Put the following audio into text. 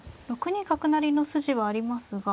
６二角成の筋はありますが。